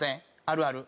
あるある。